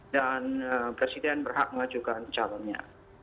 dan presiden berhak mengajukan calonnya